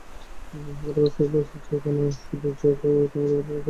কারাগার স্রেফ শাস্তির জায়গা নয়, শুদ্ধিরও জায়গা—এটা আমাদের ভুলে গেলে চলবে না।